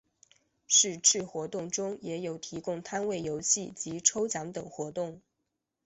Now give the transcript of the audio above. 是次活动中也有提供摊位游戏及抽奖等活动。